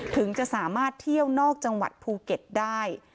ถึงจะสามารถเที่ยวนอกจังหวัดภูเก็ตได้